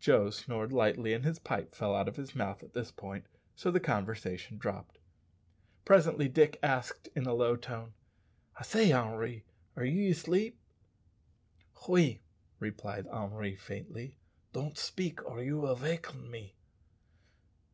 Joe snored lightly, and his pipe fell out of his mouth at this point, so the conversation dropped. Presently Dick asked in a low tone, "I say, Henri, are ye asleep?" "Oui," replied Henry faintly. "Don't speak, or you vill vaken me."